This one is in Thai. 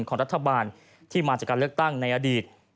ของรัฐบาลที่มาจากการเลือกตั้งในอดีต